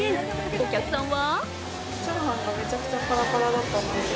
お客さんは？